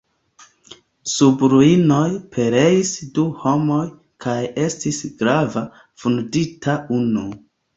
Sub ruinoj pereis du homoj kaj estis grave vundita unu.